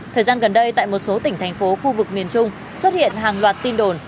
thời gian gần đây tại một số tỉnh thành phố khu vực miền trung xuất hiện hàng loạt tin đồn